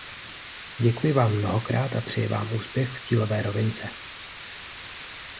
Děkuji vám mnohokrát a přeji vám úspěch v cílové rovince.